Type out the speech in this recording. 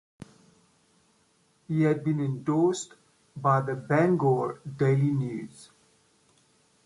He had been endorsed by the "Bangor Daily News".